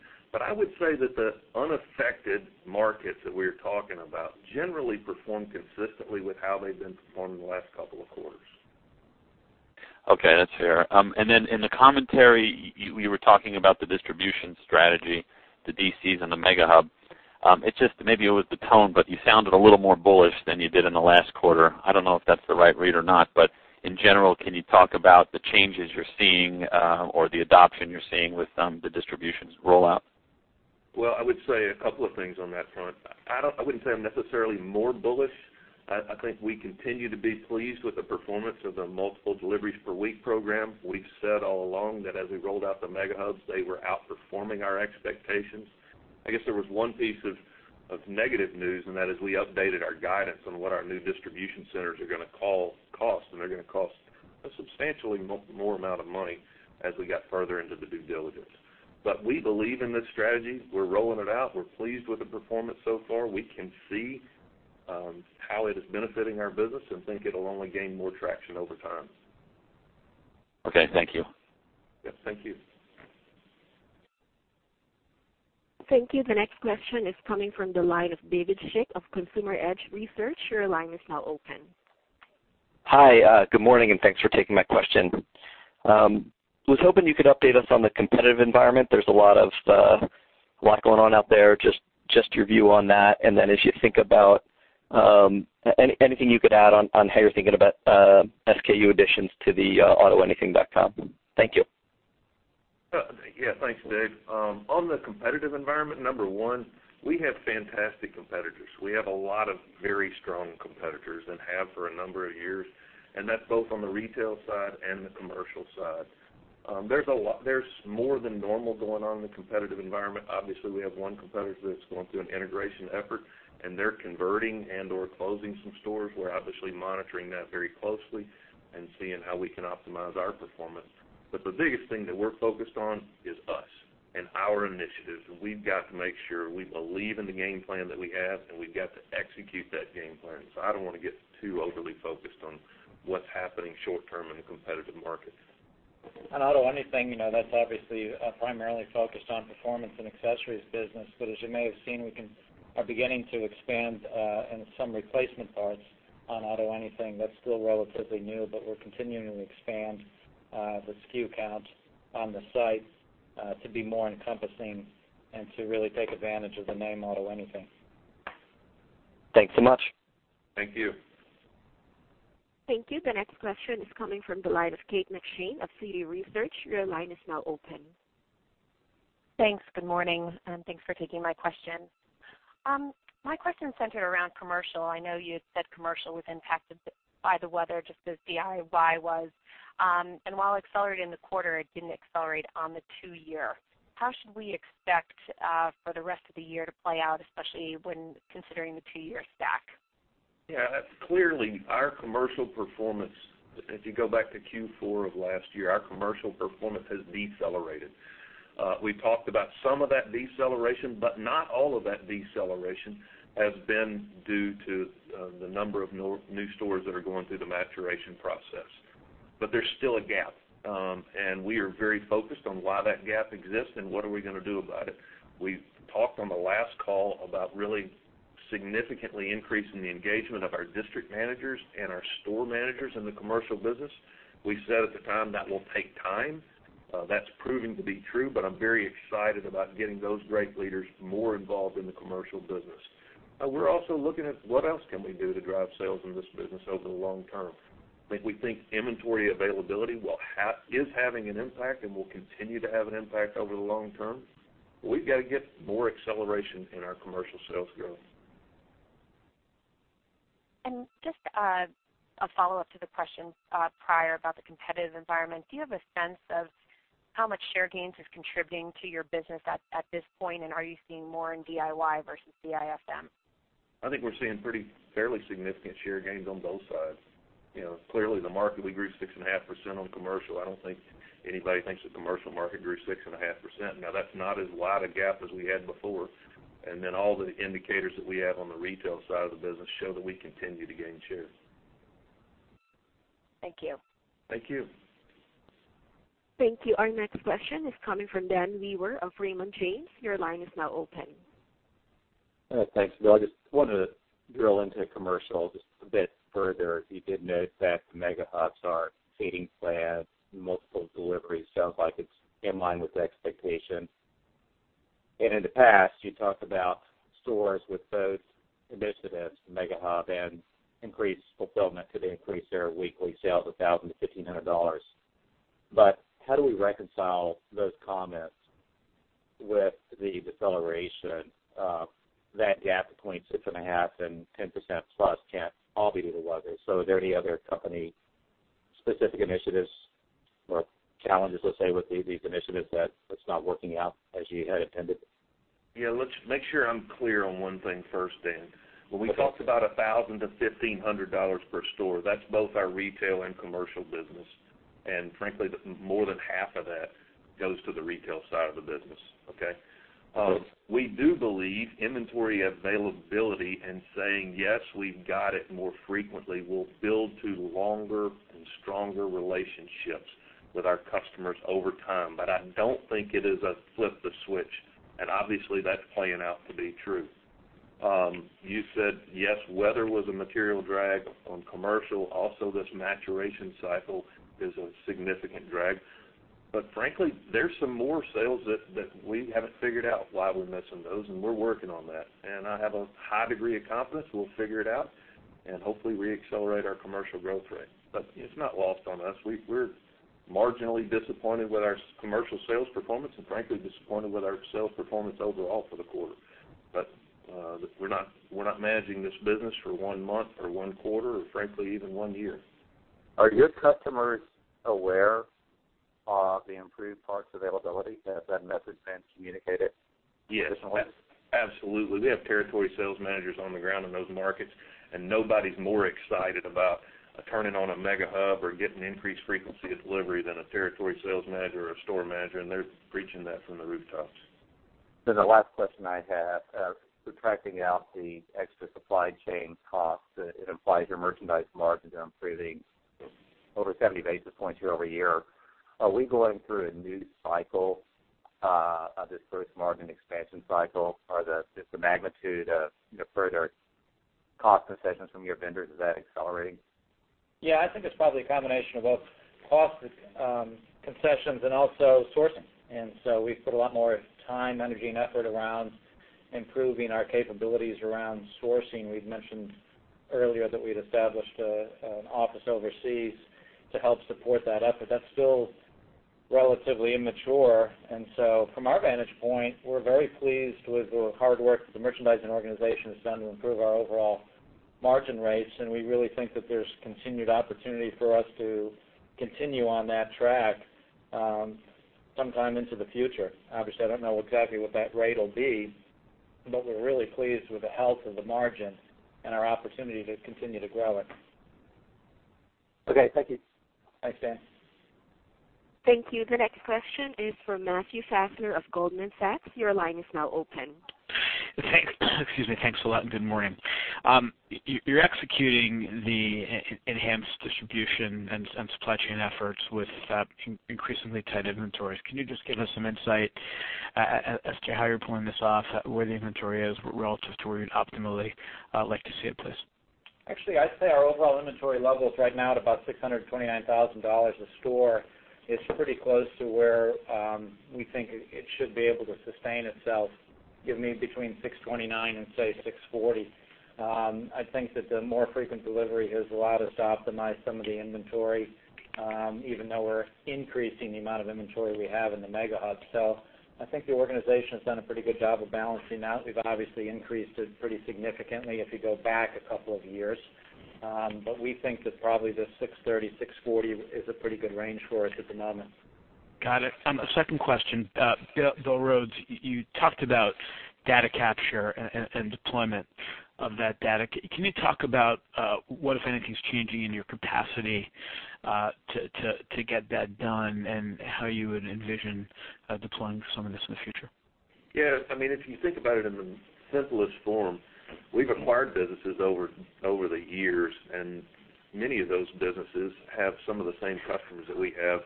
I would say that the unaffected markets that we are talking about generally perform consistently with how they've been performing the last couple of quarters. Okay, that's fair. In the commentary, you were talking about the distribution strategy, the DCs, and the Mega Hub. It's just maybe it was the tone, but you sounded a little more bullish than you did in the last quarter. I don't know if that's the right read or not, but in general, can you talk about the changes you're seeing or the adoption you're seeing with the distribution rollout? Well, I would say a couple of things on that front. I wouldn't say I'm necessarily more bullish. I think we continue to be pleased with the performance of the multiple deliveries per week program. We've said all along that as we rolled out the Mega Hubs, they were outperforming our expectations. I guess there was one piece of negative news, that is we updated our guidance on what our new distribution centers are going to cost, and they're going to cost a substantially more amount of money as we got further into the due diligence. We believe in this strategy. We're rolling it out. We're pleased with the performance so far. We can see how it is benefiting our business and think it'll only gain more traction over time. Okay. Thank you. Yes. Thank you. Thank you. The next question is coming from the line of David Schick of Consumer Edge Research. Your line is now open. Hi. Good morning, and thanks for taking my question. I was hoping you could update us on the competitive environment. There's a lot going on out there. Just your view on that. Then as you think about anything you could add on how you're thinking about SKU additions to the autoanything.com. Thank you. Thanks, Dave. On the competitive environment, number one, we have fantastic competitors. We have a lot of very strong competitors and have for a number of years, and that's both on the retail side and the commercial side. There's more than normal going on in the competitive environment. Obviously, we have one competitor that's going through an integration effort, and they're converting and/or closing some stores. We're obviously monitoring that very closely and seeing how we can optimize our performance. The biggest thing that we're focused on is us and our initiatives. We've got to make sure we believe in the game plan that we have, and we've got to execute that game plan. I don't want to get too overly focused on what's happening short term in a competitive market. On AutoAnything, that's obviously primarily focused on performance and accessories business. As you may have seen, we are beginning to expand in some replacement parts on AutoAnything. That's still relatively new, but we're continuing to expand the SKU count on the site to be more encompassing and to really take advantage of the name AutoAnything. Thanks so much. Thank you. Thank you. The next question is coming from the line of Kate McShane of Citi Research. Your line is now open. Thanks. Good morning, and thanks for taking my question. My question centered around commercial. I know you had said commercial was impacted by the weather just as DIY was. While it accelerated in the quarter, it didn't accelerate on the two-year. How should we expect for the rest of the year to play out, especially when considering the two-year stack? Yeah, clearly our commercial performance, if you go back to Q4 of last year, our commercial performance has decelerated. We talked about some of that deceleration, not all of that deceleration has been due to the number of new stores that are going through the maturation process. There's still a gap, we are very focused on why that gap exists and what are we going to do about it. We talked on the last call about really significantly increasing the engagement of our district managers and our store managers in the commercial business. We said at the time that will take time. That's proving to be true, but I'm very excited about getting those great leaders more involved in the commercial business. We're also looking at what else can we do to drive sales in this business over the long term. We think inventory availability is having an impact and will continue to have an impact over the long term. We've got to get more acceleration in our commercial sales growth. Just a follow-up to the question prior about the competitive environment. Do you have a sense of how much share gains is contributing to your business at this point, and are you seeing more in DIY versus DIFM? I think we're seeing fairly significant share gains on both sides. Clearly the market, we grew 6.5% on commercial. I don't think anybody thinks the commercial market grew 6.5%. That's not as wide a gap as we had before. All the indicators that we have on the retail side of the business show that we continue to gain shares. Thank you. Thank you. Thank you. Our next question is coming from Daniel Wewer of Raymond James. Your line is now open. Thanks, Bill. I just wanted to drill into commercial just a bit further. You did note that the Mega Hubs are feeding plans, multiple deliveries, sounds like it's in line with the expectations. In the past you talked about stores with both initiatives, the Mega Hub and increased fulfillment, could increase their weekly sales $1,000-$1,500. How do we reconcile those comments with the deceleration? That gap between 6.5% and 10% plus can't all be due to weather. Are there any other company specific initiatives or challenges, let's say, with these initiatives that it's not working out as you had intended? Yeah, let's make sure I'm clear on one thing first, Dan. When we talked about $1,000-$1,500 per store, that's both our retail and commercial business. Frankly, more than half of that goes to the retail side of the business, okay? We do believe inventory availability and saying, Yes, we've got it more frequently will build to longer and stronger relationships with our customers over time. I don't think it is a flip the switch, and obviously that's playing out to be true. You said yes, weather was a material drag on commercial. This maturation cycle is a significant drag. Frankly, there's some more sales that we haven't figured out why we're missing those, and we're working on that. I have a high degree of confidence we'll figure it out and hopefully reaccelerate our commercial growth rate. It's not lost on us. We're marginally disappointed with our commercial sales performance and frankly disappointed with our sales performance overall for the quarter. We're not managing this business for one month or one quarter or frankly, even one year. Are your customers aware of the improved parts availability? Has that message been communicated additionally? Yes. Absolutely. We have territory sales managers on the ground in those markets. Nobody's more excited about turning on a Mega Hub or getting increased frequency of delivery than a territory sales manager or a store manager. They're preaching that from the rooftops. The last question I have. Subtracting out the extra supply chain costs, it implies your merchandise margin is improving over 70 basis points year-over-year. Are we going through a new cycle of this gross margin expansion cycle? Just the magnitude of further cost concessions from your vendors, is that accelerating? I think it's probably a combination of both cost concessions and also sourcing. We've put a lot more time, energy, and effort around improving our capabilities around sourcing. We've mentioned earlier that we'd established an office overseas to help support that effort. That's still relatively immature. From our vantage point, we're very pleased with the hard work that the merchandising organization has done to improve our overall margin rates. We really think that there's continued opportunity for us to continue on that track sometime into the future. Obviously, I don't know exactly what that rate will be, but we're really pleased with the health of the margin and our opportunity to continue to grow it. Okay. Thank you. Thanks, Dan. Thank you. The next question is from Matthew Fassler of Goldman Sachs. Your line is now open. Excuse me. Thanks a lot. Good morning. You are executing the enhanced distribution and supply chain efforts with increasingly tight inventories. Can you just give us some insight as to how you are pulling this off, where the inventory is relative to where you would optimally like to see it, please? Actually, I'd say our overall inventory levels right now at about $629,000 a store is pretty close to where we think it should be able to sustain itself, give me between $629,000 and say $640,000. I think that the more frequent delivery has allowed us to optimize some of the inventory, even though we're increasing the amount of inventory we have in the Mega Hubs. I think the organization's done a pretty good job of balancing that. We've obviously increased it pretty significantly if you go back a couple of years. We think that probably the $630,000-$640,000 is a pretty good range for us at the moment. Got it. A second question. Bill Rhodes, you talked about data capture and deployment of that data. Can you talk about what, if anything, is changing in your capacity to get that done and how you would envision deploying some of this in the future? Yes. If you think about it in the simplest form, we've acquired businesses over the years, and many of those businesses have some of the same customers that we have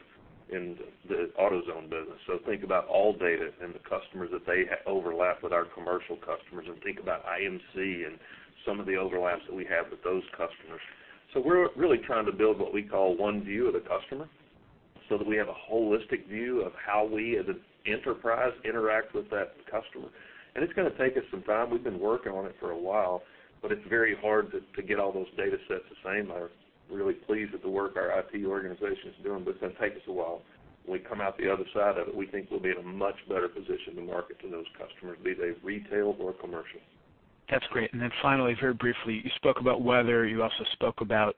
in the AutoZone business. Think about ALLDATA and the customers that they overlap with our commercial customers, and think about IMC and some of the overlaps that we have with those customers. We're really trying to build what we call one view of the customer so that we have a holistic view of how we as an enterprise interact with that customer. It's going to take us some time. We've been working on it for a while, but it's very hard to get all those data sets the same. I'm really pleased with the work our IT organization is doing, but it's going to take us a while. When we come out the other side of it, we think we'll be in a much better position to market to those customers, be they retail or commercial. That's great. Finally, very briefly, you spoke about weather. You also spoke about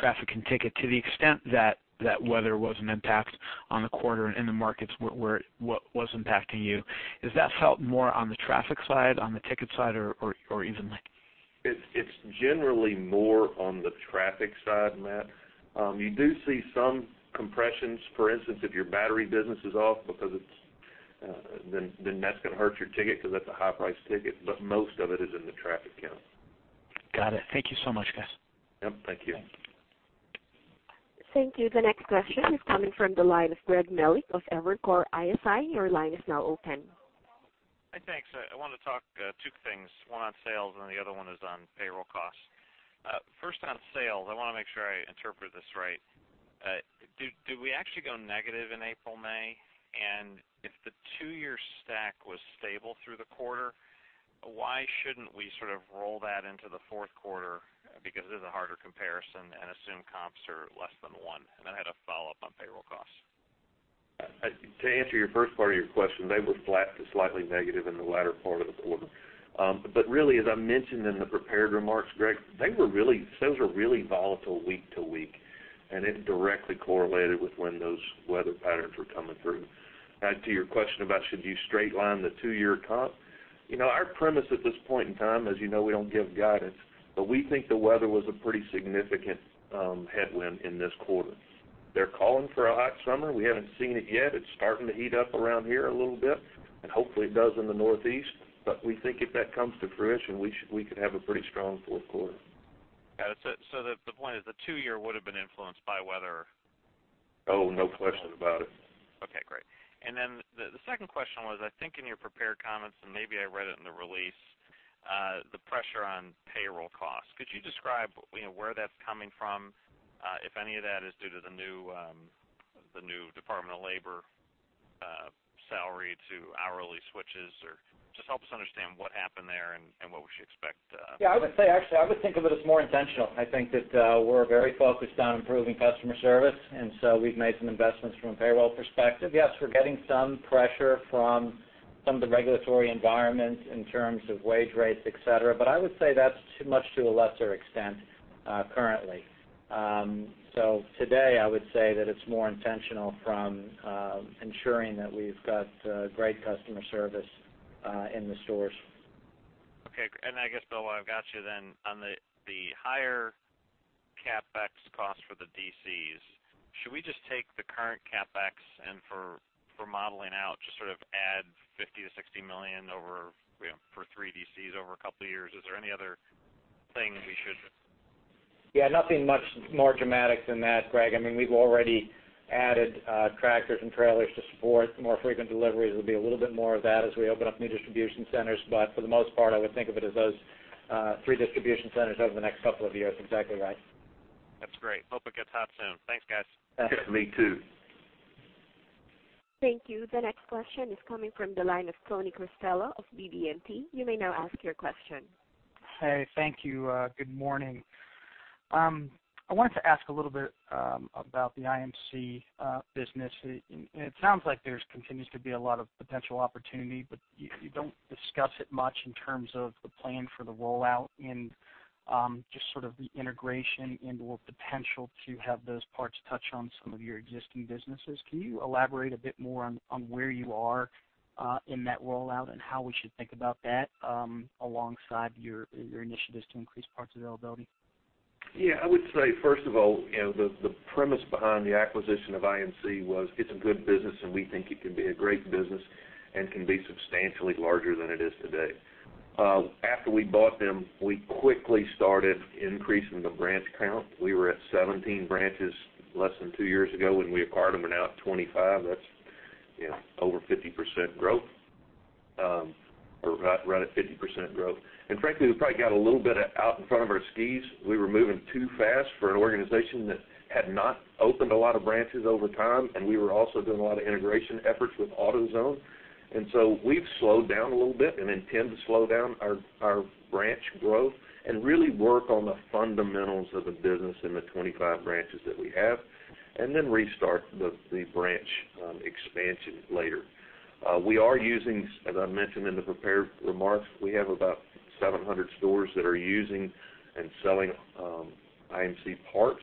traffic and ticket to the extent that weather was an impact on the quarter and the markets where it was impacting you. Is that felt more on the traffic side, on the ticket side or evenly? It's generally more on the traffic side, Matt. You do see some compressions, for instance, if your battery business is off because then that's going to hurt your ticket because that's a high-price ticket, but most of it is in the traffic count. Got it. Thank you so much, guys. Yep. Thank you. Thank you. The next question is coming from the line of Greg Melich of Evercore ISI. Your line is now open. Hi, thanks. I want to talk two things, one on sales and the other one is on payroll costs. First on sales, I want to make sure I interpret this right. Do we actually go negative in April, May? If the two-year stack was stable through the quarter, why shouldn't we sort of roll that into the fourth quarter because this is a harder comparison and assume comps are less than one? I had a follow-up on payroll costs. To answer your first part of your question, they were flat to slightly negative in the latter part of the quarter. Really, as I mentioned in the prepared remarks, Greg, those were really volatile week to week, and it directly correlated with when those weather patterns were coming through. To your question about should you straight line the two-year comp, our premise at this point in time, as you know, we don't give guidance, we think the weather was a pretty significant headwind in this quarter. They're calling for a hot summer. We haven't seen it yet. It's starting to heat up around here a little bit, and hopefully it does in the Northeast. We think if that comes to fruition, we could have a pretty strong fourth quarter. Got it. The point is the two-year would have been influenced by weather. Oh, no question about it. Okay, great. Then the second question was, I think in your prepared comments, and maybe I read it in the release, the pressure on payroll costs. Could you describe where that's coming from, if any of that is due to the new Department of Labor salary to hourly switches or just help us understand what happened there and what we should expect? Yeah, I would say actually, I would think of it as more intentional. I think that we're very focused on improving customer service, so we've made some investments from a payroll perspective. Yes, we're getting some pressure from some of the regulatory environment in terms of wage rates, et cetera, I would say that's much to a lesser extent currently. Today, I would say that it's more intentional from ensuring that we've got great customer service in the stores. Okay. I guess, Bill, while I've got you then, on the higher CapEx cost for the DCs, should we just take the current CapEx and for modeling out, just sort of add $50 million-$60 million for 3 DCs over a couple of years? Is there any other thing we should? Yeah, nothing much more dramatic than that, Greg. We've already added tractors and trailers to support more frequent deliveries. There'll be a little bit more of that as we open up new distribution centers. For the most part, I would think of it as those three distribution centers over the next couple of years. Exactly right. That's great. Hope it gets hot soon. Thanks, guys. Yeah, me too. Thank you. The next question is coming from the line of Anthony Cristello of BB&T. You may now ask your question. Hey, thank you. Good morning. I wanted to ask a little bit about the IMC business. It sounds like there continues to be a lot of potential opportunity, but you don't discuss it much in terms of the plan for the rollout and just sort of the integration and/or potential to have those parts touch on some of your existing businesses. Can you elaborate a bit more on where you are in that rollout and how we should think about that, alongside your initiatives to increase parts availability? Yeah. I would say, first of all, the premise behind the acquisition of IMC was it's a good business, and we think it can be a great business and can be substantially larger than it is today. After we bought them, we quickly started increasing the branch count. We were at 17 branches less than two years ago when we acquired them. We're now at 25. That's over 50% growth, or right at 50% growth. Frankly, we probably got a little bit out in front of our skis. We were moving too fast for an organization that had not opened a lot of branches over time, and we were also doing a lot of integration efforts with AutoZone. We've slowed down a little bit and intend to slow down our branch growth and really work on the fundamentals of the business in the 25 branches that we have and then restart the branch expansion later. We are using, as I mentioned in the prepared remarks, we have about 700 stores that are using and selling IMC parts.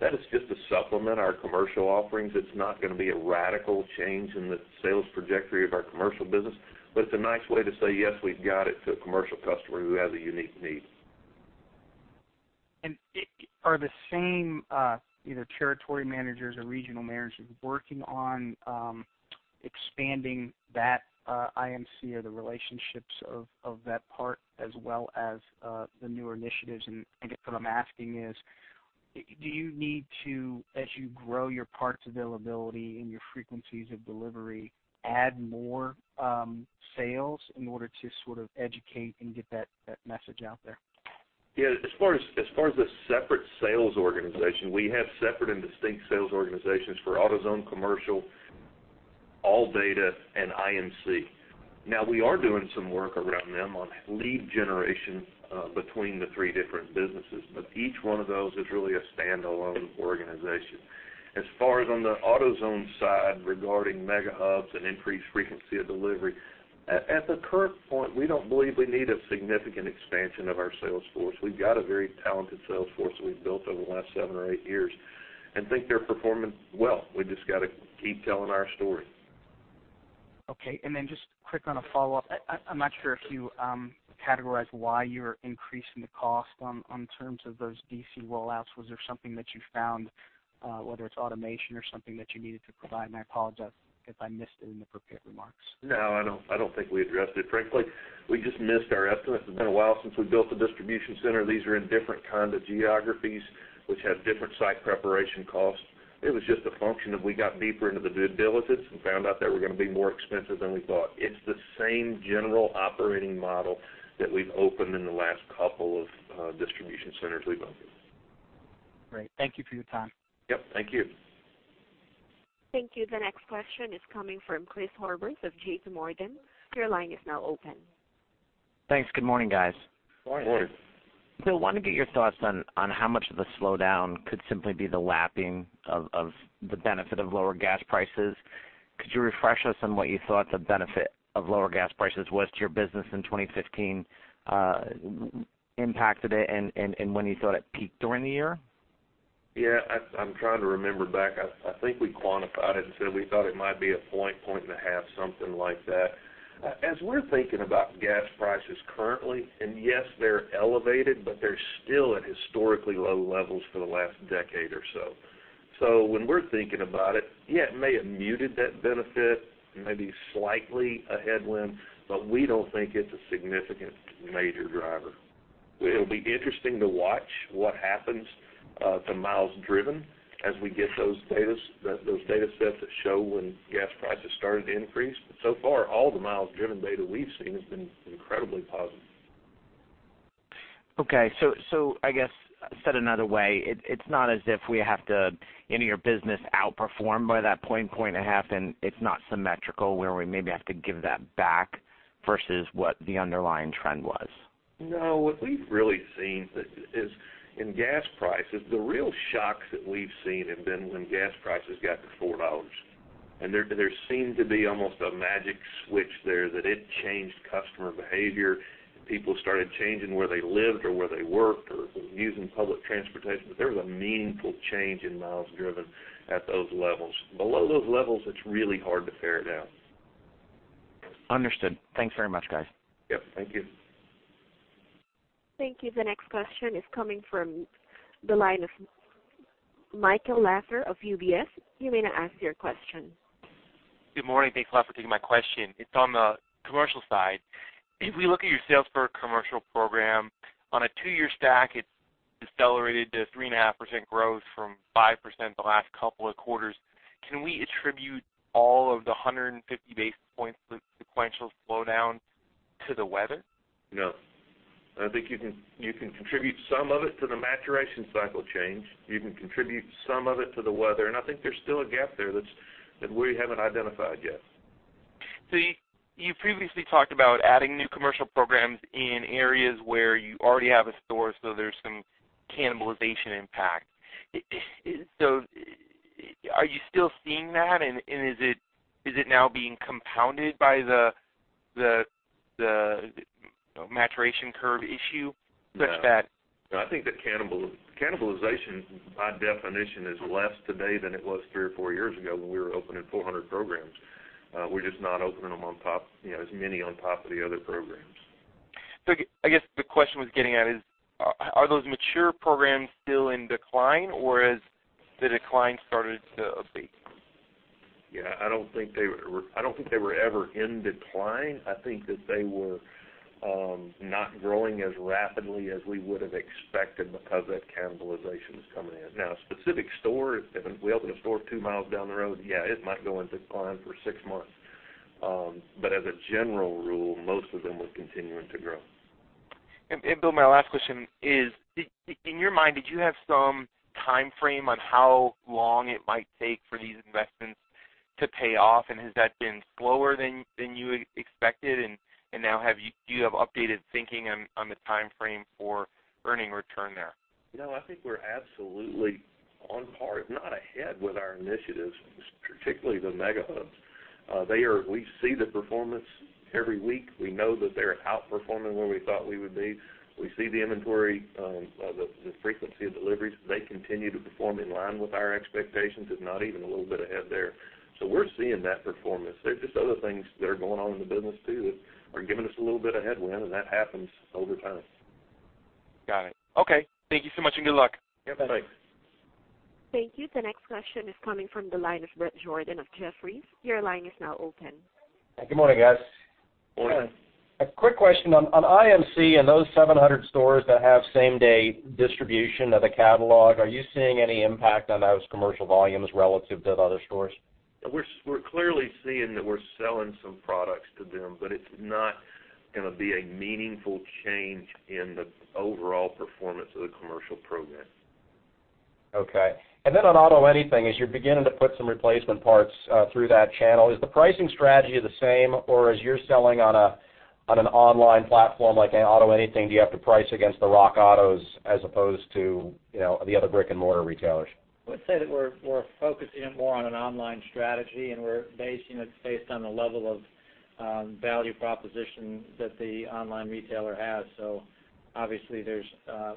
That is just to supplement our commercial offerings. It's not going to be a radical change in the sales trajectory of our commercial business, but it's a nice way to say, "Yes, we've got it," to a commercial customer who has a unique need. Are the same either territory managers or regional managers working on expanding that IMC or the relationships of that part as well as the newer initiatives? I guess what I'm asking is, do you need to, as you grow your parts availability and your frequencies of delivery, add more sales in order to sort of educate and get that message out there? As far as the separate sales organization, we have separate and distinct sales organizations for AutoZone Commercial, ALLDATA, and IMC. Now we are doing some work around them on lead generation between the three different businesses, but each one of those is really a standalone organization. As far as on the AutoZone side regarding Mega Hubs and increased frequency of delivery, at the current point, we don't believe we need a significant expansion of our sales force. We've got a very talented sales force that we've built over the last seven or eight years and think they're performing well. We've just got to keep telling our story. Just quick on a follow-up. I'm not sure if you categorized why you were increasing the cost in terms of those DC rollouts. Was there something that you found, whether it's automation or something that you needed to provide? I apologize if I missed it in the prepared remarks. I don't think we addressed it. Frankly, we just missed our estimates. It's been a while since we built a distribution center. These are in different kind of geographies, which have different site preparation costs. It was just a function of we got deeper into the due diligence and found out they were going to be more expensive than we thought. It's the same general operating model that we've opened in the last couple of distribution centers we've opened. Great. Thank you for your time. Yep, thank you. Thank you. The next question is coming from Christopher Horvers of J.P. Morgan. Your line is now open. Thanks. Good morning, guys. Morning. Bill, want to get your thoughts on how much of the slowdown could simply be the lapping of the benefit of lower gas prices. Could you refresh us on what you thought the benefit of lower gas prices was to your business in 2015, impacted it, and when you thought it peaked during the year? Yeah. I'm trying to remember back. I think we quantified it and said we thought it might be a point and a half, something like that. As we're thinking about gas prices currently, and yes, they're elevated, but they're still at historically low levels for the last decade or so. When we're thinking about it, yeah, it may have muted that benefit, maybe slightly a headwind, but we don't think it's a significant major driver. It'll be interesting to watch what happens to miles driven as we get those data sets that show when gas prices started to increase. So far, all the miles driven data we've seen has been incredibly positive. Okay. I guess, said another way, it's not as if we have to any of your business outperform by that point and a half, and it's not symmetrical where we maybe have to give that back versus what the underlying trend was? No, what we've really seen is in gas prices, the real shocks that we've seen have been when gas prices got to $4. There seemed to be almost a magic switch there that it changed customer behavior. People started changing where they lived or where they worked or using public transportation, but there was a meaningful change in miles driven at those levels. Below those levels, it's really hard to ferret out. Understood. Thanks very much, guys. Yep, thank you. Thank you. The next question is coming from the line of Michael Lasser of UBS. You may now ask your question. Good morning. Thanks a lot for taking my question. It's on the commercial side. If we look at your sales per commercial program, on a two-year stack, it's decelerated to 3.5% growth from 5% the last couple of quarters. Can we attribute all of the 150 basis points sequential slowdown to the weather? No. I think you can contribute some of it to the maturation cycle change. You can contribute some of it to the weather, I think there's still a gap there that we haven't identified yet. You previously talked about adding new commercial programs in areas where you already have a store, so there's some cannibalization impact. Are you still seeing that, and is it now being compounded by the maturation curve issue such that? No, I think that cannibalization, by definition, is less today than it was three or four years ago when we were opening 400 programs. We're just not opening them as many on top of the other programs. I guess the question I was getting at is, are those mature programs still in decline, or has the decline started to abate? Yeah, I don't think they were ever in decline. I think that they were not growing as rapidly as we would've expected because that cannibalization was coming in. Now, specific store, if we open a store two miles down the road, yeah, it might go into decline for six months. As a general rule, most of them were continuing to grow. Bill, my last question is, in your mind, did you have some timeframe on how long it might take for these investments to pay off? Has that been slower than you expected? Now do you have updated thinking on the timeframe for earning return there? No, I think we're absolutely on par, if not ahead, with our initiatives, particularly the Mega Hubs. We see the performance every week. We know that they're outperforming where we thought we would be. We see the inventory, the frequency of deliveries. They continue to perform in line with our expectations, if not even a little bit ahead there. We're seeing that performance. There are just other things that are going on in the business too that are giving us a little bit of headwind, and that happens over time. Got it. Okay. Thank you so much, and good luck. You bet. Thanks. Thank you. The next question is coming from the line of Bret Jordan of Jefferies. Your line is now open. Good morning, guys. Morning. A quick question on IMC and those 700 stores that have same-day distribution of the catalog, are you seeing any impact on those commercial volumes relative to the other stores? We're clearly seeing that we're selling some products to them, it's not going to be a meaningful change in the overall performance of the commercial program. Okay. On AutoAnything, as you're beginning to put some replacement parts through that channel, is the pricing strategy the same, or as you're selling on an online platform like an AutoAnything, do you have to price against the RockAuto as opposed to the other brick-and-mortar retailers? I would say that we're focusing it more on an online strategy, it's based on the level of value proposition that the online retailer has. Obviously,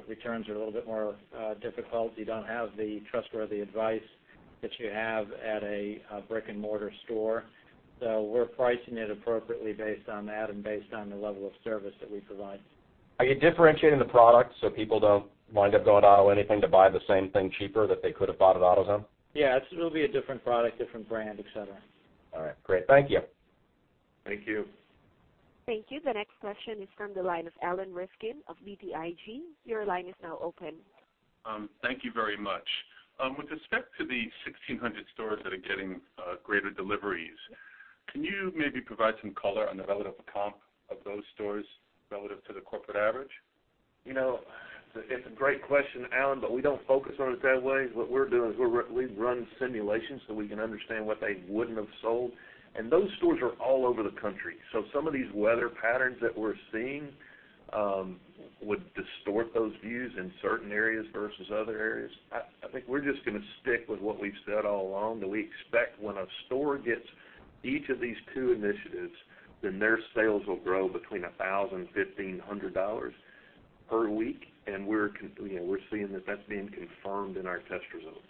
returns are a little bit more difficult. You don't have the trustworthy advice that you have at a brick-and-mortar store. We're pricing it appropriately based on that and based on the level of service that we provide. Are you differentiating the product so people don't wind up going to AutoAnything to buy the same thing cheaper that they could have bought at AutoZone? Yeah, it'll be a different product, different brand, et cetera. All right, great. Thank you. Thank you. Thank you. The next question is from the line of Alan Rifkin of BTIG. Your line is now open. Thank you very much. With respect to the 1,600 stores that are getting greater deliveries, can you maybe provide some color on the relative comp of those stores relative to the corporate average? It's a great question, Alan, we don't focus on it that way. What we're doing is we run simulations so we can understand what they wouldn't have sold. Those stores are all over the country. Some of these weather patterns that we're seeing would distort those views in certain areas versus other areas. I think we're just going to stick with what we've said all along, that we expect when a store gets each of these two initiatives, their sales will grow between $1,000-$1,500 per week. We're seeing that that's being confirmed in our test results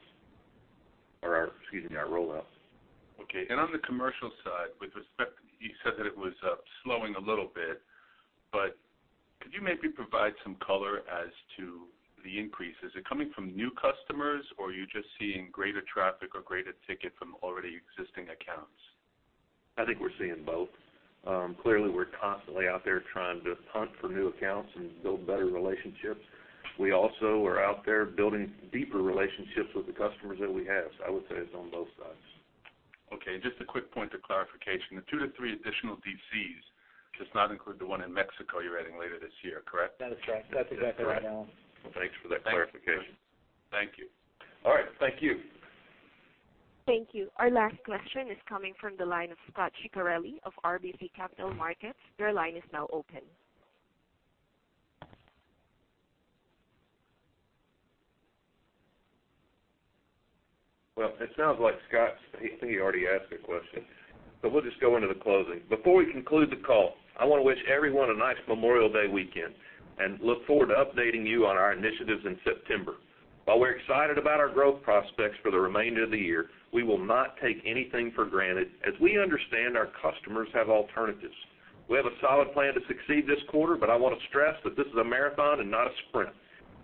or our, excuse me, our rollout. Okay. On the commercial side, with respect, you said that it was slowing a little bit, could you maybe provide some color as to the increase? Is it coming from new customers, are you just seeing greater traffic or greater ticket from already existing accounts? I think we're seeing both. Clearly, we're constantly out there trying to hunt for new accounts and build better relationships. We also are out there building deeper relationships with the customers that we have. I would say it's on both sides. Okay, just a quick point of clarification, the two to three additional DCs does not include the one in Mexico you're adding later this year, correct? That is correct. That's exactly right, Alan. Well, thanks for that clarification. Thank you. All right. Thank you. Thank you. Our last question is coming from the line of Scot Ciccarelli of RBC Capital Markets. Your line is now open. Well, it sounds like Scot, I think he already asked a question, but we'll just go into the closing. Before we conclude the call, I want to wish everyone a nice Memorial Day weekend and look forward to updating you on our initiatives in September. While we're excited about our growth prospects for the remainder of the year, we will not take anything for granted as we understand our customers have alternatives. We have a solid plan to succeed this quarter, but I want to stress that this is a marathon and not a sprint.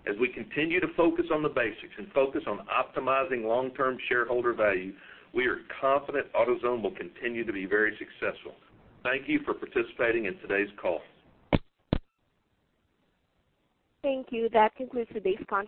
As we continue to focus on the basics and focus on optimizing long-term shareholder value, we are confident AutoZone will continue to be very successful. Thank you for participating in today's call. Thank you. That concludes today's conference call.